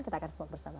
kita akan sobat bersama